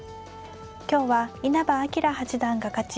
今日は稲葉陽八段が勝ち